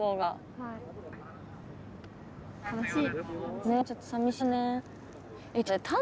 はい！